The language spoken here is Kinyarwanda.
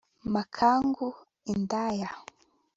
makangu(indaya)